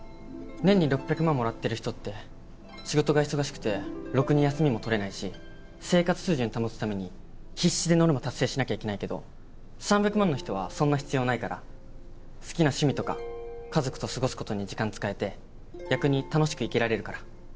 年に６００万もらってる人って仕事が忙しくてろくに休みも取れないし生活水準保つために必死でノルマ達成しなきゃいけないけど３００万の人はそんな必要ないから好きな趣味とか家族と過ごすことに時間使えて逆に楽しく生きられるから。